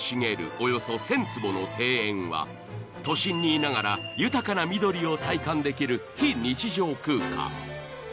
およそ１，０００坪の庭園は都心にいながら豊かな緑を体感できる非日常空間。